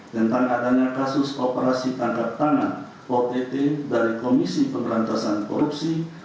tentang adanya kasus operasi tangkap tangan ott dari komisi pemberantasan korupsi